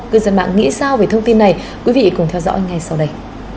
cư dân mạng nghĩ sao về thông tin này quý vị cùng theo dõi ngay sau đây